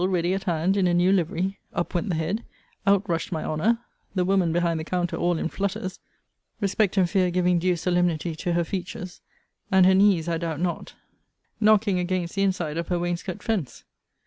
ready at hand in a new livery; up went the head; out rushed my honour; the woman behind the counter all in flutters, respect and fear giving due solemnity to her features, and her knees, I doubt not, knocking against the inside of her wainscot fence.